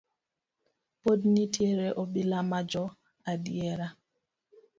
Pod nitiere obila ma jo adiera.